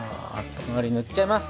周り塗っちゃいます。